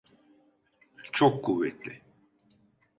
Çok kuvvetli.